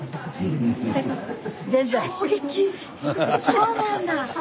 そうなんだ。